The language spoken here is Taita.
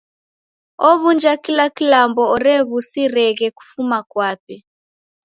Ow'unja kila kilambo orew'usireghe kufuma kwape.